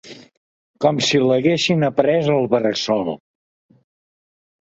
Com si l'haguessin après al bressol.